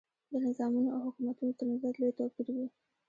د نظامونو او حکومتونو ترمنځ لوی توپیر وي.